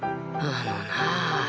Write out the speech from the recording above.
あのなあ。